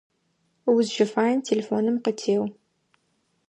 Узщыфаем телефоным къытеу.